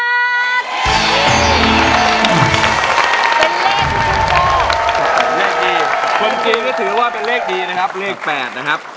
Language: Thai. คนจริงก็ถือว่าเป็นเลขดี๘ครับ